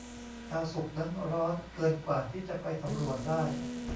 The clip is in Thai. ดาวศุกร์นั้นร้อนเกินกว่าที่จะไปสำรวจได้